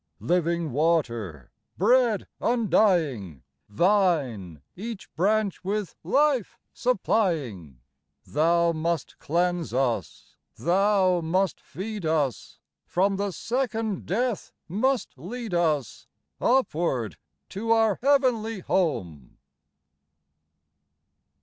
Living Water, Bread undying, Vine, each branch with life supplying ; Thou must cleanse us. Thou must feed us, From the second death must lead us Upward to our Heavenly Home.